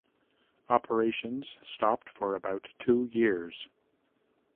Operations stopped for about two years.